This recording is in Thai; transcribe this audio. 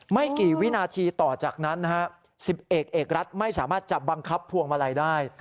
ไม่กี่วินาทีต่อจากนั้นนะฮะ๑๐เอกเอกรัฐไม่สามารถจับบังคับพวงมาลัยได้